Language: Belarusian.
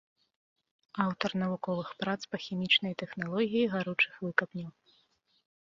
Аўтар навуковых прац па хімічнай тэхналогіі гаручых выкапняў.